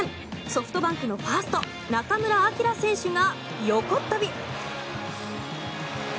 ソフトバンクのファースト中村晃選手が横っ飛び！